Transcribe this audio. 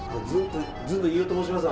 ずんの飯尾と申します。